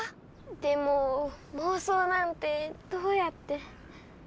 でももうそうなんてどうやって。